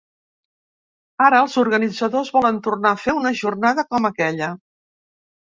Ara els organitzadors volen tornar a fer una jornada com aquella.